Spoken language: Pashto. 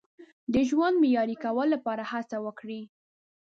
د ژوند معیاري کولو لپاره هڅه وکړئ.